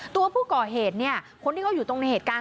ตัวผู้ก่อเหตุเนี่ยคนที่เขาอยู่ตรงในเหตุการณ์